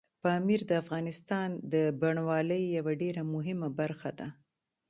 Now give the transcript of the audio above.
پامیر د افغانستان د بڼوالۍ یوه ډېره مهمه برخه ده.